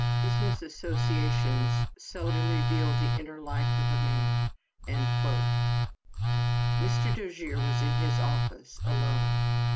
Business associations seldom reveal the inner life of a man." Mr. Dojere was in his office, alone.